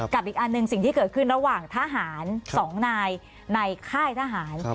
อีกอันหนึ่งสิ่งที่เกิดขึ้นระหว่างทหาร๒นายในค่ายทหาร